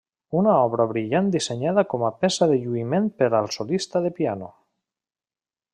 Una obra brillant dissenyada com a peça de lluïment per al solista de piano.